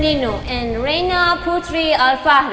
reina menang reina menang bagi allah bagi allah